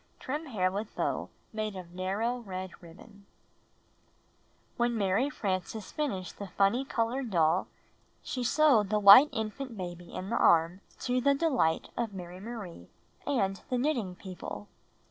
Trim hair with bow made of narrow red ribbon. Eyelids iWain to When Mary Frances finished the funny colored doll, she sewed the white infant baby in the arm, to the delight of Mary Marie and the Ivnitting People.